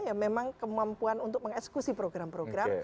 ya memang kemampuan untuk mengeksekusi program program